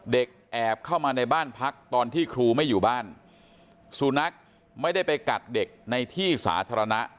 แอบเข้ามาในบ้านพักตอนที่ครูไม่อยู่บ้านสุนัขไม่ได้ไปกัดเด็กในที่สาธารณะ